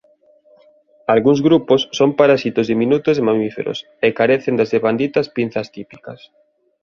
Algúns grupos son parasitos diminutos de mamíferos e carecen das devanditas pinzas típicas.